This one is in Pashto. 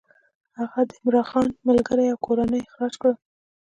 هغه د عمرا خان ملګري او کورنۍ اخراج کړل.